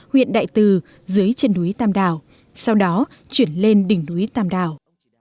huyện đại từ dưới trên núi tam đào sau đó chuyển lên đỉnh núi tam đào